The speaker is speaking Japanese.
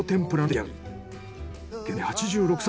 更に現在８６歳！